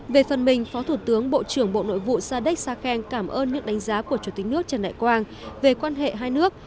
về phần mình phó thủ tướng bộ trưởng bộ nội vụ sadek sakeng cảm ơn những đánh giá của chủ tịch nước trần đại quang về quan hệ hai nước